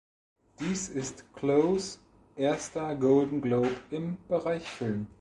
Dies ist Close' erster Golden Globe im Bereich Film.